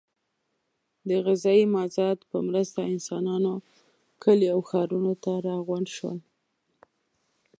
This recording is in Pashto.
د غذایي مازاد په مرسته انسانان کلیو او ښارونو ته راغونډ شول.